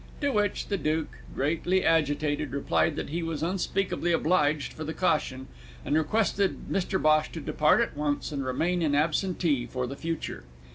To which the Duke, greatly agitated, replied that he was unspeakably obliged for the caution, and requested Mr Bhosh to depart at once and remain an absentee for the future.